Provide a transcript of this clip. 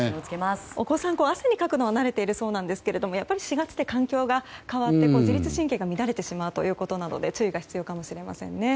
お子さんは汗をかくのは慣れているかもしれませんがやっぱり４月って環境が変わって自律神経が乱れてしまうということなので注意が必要かもしれませんね。